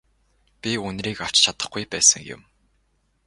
Би үнэрийг авч чадахгүй байсан юм.